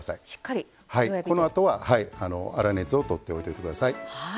このあとは粗熱を取っておいておいて下さい。